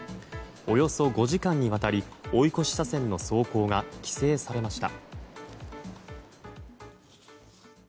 およそ５時間にわたり追い越し車線の走行が規制されました。